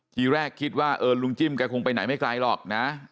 ทีแรกคิดว่าเออลุงจิ้มแกคงไปไหนไม่ไกลหรอกนะ